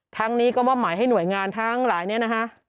ทั้งนี้ก็มอบหมายให้หน่วยงานทั้งหลายเนี่ยนะคะ